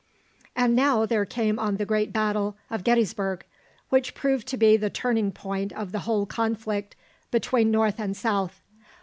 And now there came on the great battle of Gettysburg, which proved to be the turning point of the whole conflict between North and South.